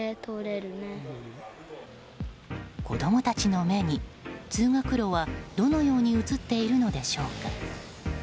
子供たちの目に、通学路はどのように映っているのでしょうか。